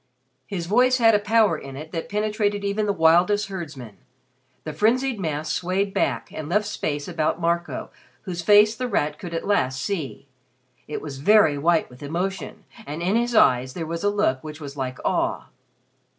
His voice had a power in it that penetrated even the wildest herdsmen. The frenzied mass swayed back and left space about Marco, whose face The Rat could at last see. It was very white with emotion, and in his eyes there was a look which was like awe.